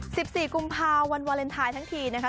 สิบสี่กุมภาวันวาเลนไทยทั้งทีนะคะ